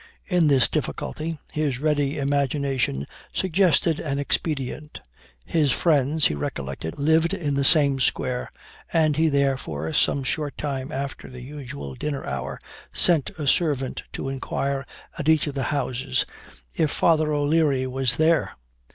In this difficulty, his ready imagination suggested an expedient. His friends, he recollected, lived in the same square, and he therefore, some short time after the usual dinner hour, sent a servant to inquire at each of the houses 'if Father O'Leary was there?'